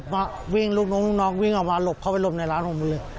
พ่อวิ่งน้องวีงออกมาหลบได้รบในล้านห่วงมาดูอีก